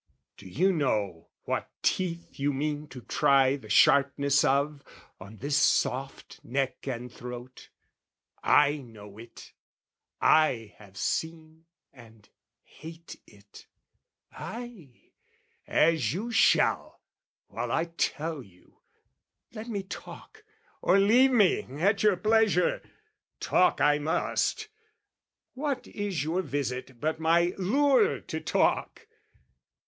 Do you know what teeth you mean to try The sharpness of, on this soft neck and throat? I know it, I have seen and hate it, ay, As you shall, while I tell you: let me talk, Or leave me, at your pleasure! talk I must: What is your visit but my lure to talk?